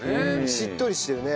しっとりしてるね。